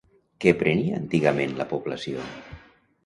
Què prenia antigament la població?